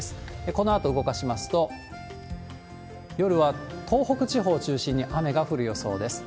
このあと動かしますと、夜は東北地方を中心に雨が降る予想です。